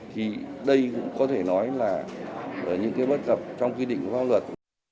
thì đây cũng có thể nói là những cái bất cập trong quy định pháp luật